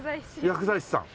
薬剤師さん。